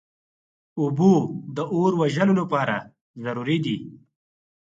اوبه د اور وژلو لپاره ضروري دي.